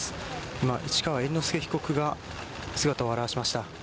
今、市川猿之助被告が姿を現しました。